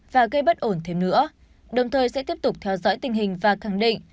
và gây bất ổn thêm nữa đồng thời sẽ tiếp tục theo dõi tình hình và khẳng định